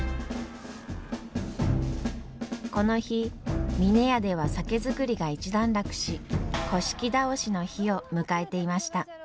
この日峰屋では酒造りが一段落し倒しの日を迎えていました。